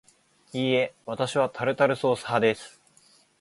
いいえ、わたしはタルタルソース派です